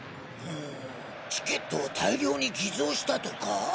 んチケットを大量に偽造したとか？